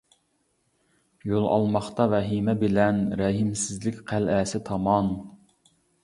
يول ئالماقتا ۋەھىمە بىلەن، رەھىمسىزلىك قەلئەسى تامان.